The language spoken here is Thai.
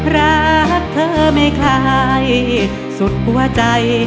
รักเธอไม่คล้ายสุดหัวใจ